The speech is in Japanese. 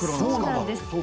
そうなんです。